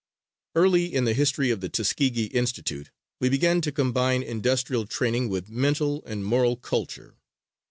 Early in the history of the Tuskegee Institute we began to combine industrial training with mental and moral culture.